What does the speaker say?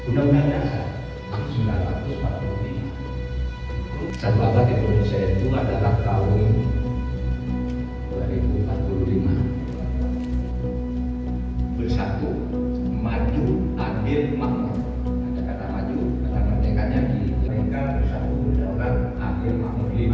lima resmi hai bapak satu ratus dua puluh tiga terima kasih indonesia masalah program resmi dan sebutan resmi kepada